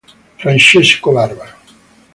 Francesco Barbaro